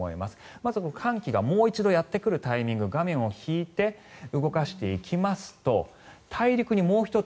まず寒気がもう一度やってくるタイミング画面を引いて動かしていきますと大陸にもう１つ